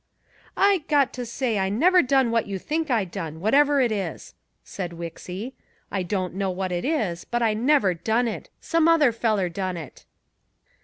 "I got to say I never done what you think I done, whatever it is," said Wixy. "I don't know what it is, but I never done it. Some other feller done it."